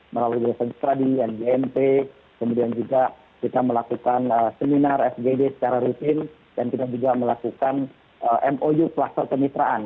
melalui desa stradi yang di mp kemudian juga kita melakukan seminar fgd secara rutin dan kita juga melakukan mou pelaksanaan kemitraan